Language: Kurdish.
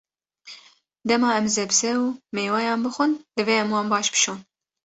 Dema em sebze û mêweyan bixwin, divê em wan baş bişon.